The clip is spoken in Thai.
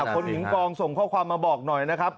คนหญิงกองส่งข้อความมาบอกหน่อยนะครับ